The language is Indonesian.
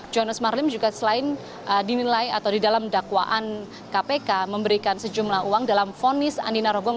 johannes marlim juga selain dinilai atau di dalam dakwaan kpk memberikan sejumlah uang dalam vonis andina rogong